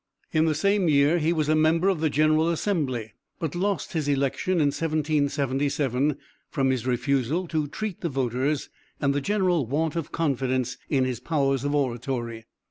In the same year he was a member of the general assembly, but lost his election in 1777, from his refusal to treat the voters, and the general want of confidence in his powers of oratory.